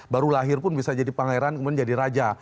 baru lahir pun bisa jadi pangeran kemudian jadi raja